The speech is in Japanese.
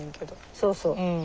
そうそう。